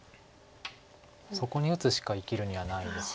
そこに打つしか生きるにはないです。